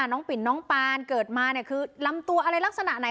น้องปิ่นน้องปานเกิดมาลำกับรักษณะยังไง